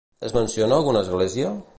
Es menciona alguna església?